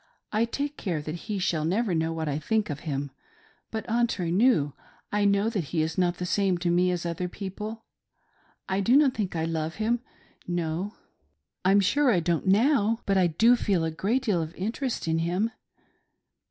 I take care that he shall never know what I think of him, but, entre nous, I know that he is not the same to me as other people. I do not think I love him ; no, I'm sure I 10 IS2 LOVE MAKING UNDER DIFFICULTIES. dort't nmi) ; but I do feel' a great deal of interest in him.